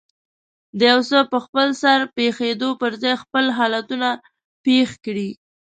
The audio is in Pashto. د يو څه په خپلسر پېښېدو پر ځای خپل حالتونه پېښ کړي.